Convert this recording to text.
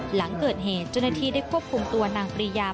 หลังเกิดเหตุเจ้าหน้าที่ได้ควบคุมตัวนางปรียา